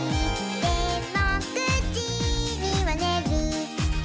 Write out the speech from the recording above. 「でも９じにはねる」